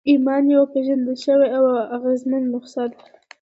ایمان یوه پېژندل شوې او اغېزمنه نسخه ده